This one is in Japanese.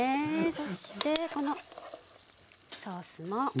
そしてこのソースもかけて。